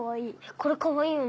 これかわいいよね。